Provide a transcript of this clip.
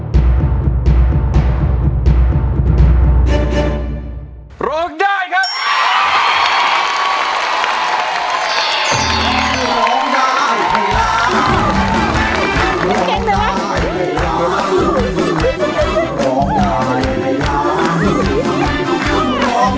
ทำไมต้องร้องได้ให้ดัง